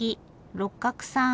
六角さん